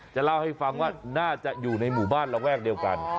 จะเล่าให้ฟังว่าน่าจะอยู่ในหมู่บ้านระแวกเดียวกัน